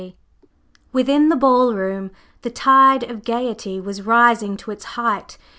/Within/ the ball room the tide of gayety was rising to its height.